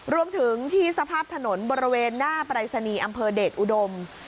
รวมถึงที่สภาพถนนบริเวณหน้าปรายศนีย์อำเภอเดชอุดม